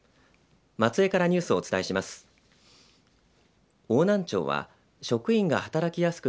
松江からニュースをお伝えします。